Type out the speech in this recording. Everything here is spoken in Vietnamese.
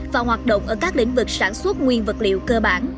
và hoạt động ở các lĩnh vực sản xuất nguyên vật liệu cơ bản